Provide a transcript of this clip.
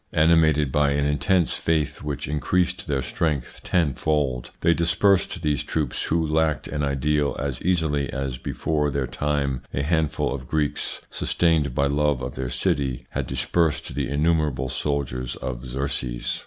Animated by an intense faith which increased their strength tenfold, they dispersed these troops who lacked an ideal as easily as before their time a handful of Greeks, sustained by love of their city, had dispersed the innumerable soldiers of Xerxes.